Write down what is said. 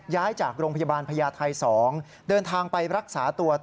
ย้ายจากโรงพยาบาลพญาไทย๒เดินทางไปรักษาตัว